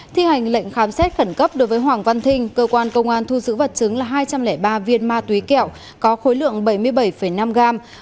thi hành lệnh khám xét khẩn cấp đối với hoàng văn thinh cơ quan công an thu giữ vật chứng là hai trăm linh ba viên ma túy kẹo có khối lượng bảy mươi bảy năm gram